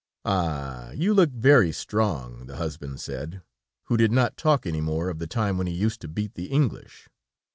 "Ah! You look very strong," the husband said, who did not talk any more of the time when he used to beat the English.